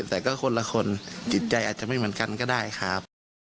แต่ก็คนละคนจิตใจอาจจะไม่เหมือนกันก็ได้ครับ